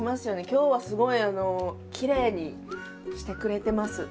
今日はすごいきれいにしてくれてます。